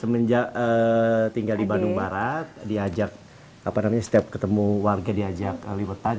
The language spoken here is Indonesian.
semenjak tinggal di bandung barat diajak apa namanya setiap ketemu warga diajak liwetan